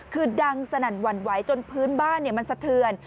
คือดังสนั่นหวั่นไหวจนพื้นบ้านมันสะเทือน